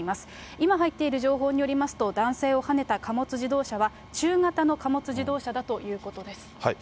今入っている情報によりますと、男性をはねた貨物自動車は中型の貨物自動車だということです。